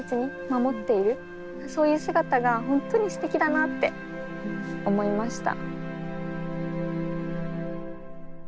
そういう姿が本当にすてきだなって思いました。